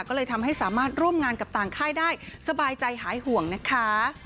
ก็เลยทำให้สามารถร่วมงานกับต่างค่ายได้สบายใจหายห่วงนะคะ